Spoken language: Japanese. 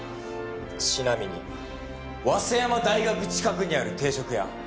ちなみに早背山大学近くにある定食屋